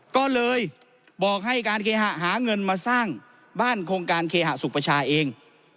ก็เลยบอกให้การเคหะหาเงินมาสร้างบ้านโครงการเคหสุขประชาเอง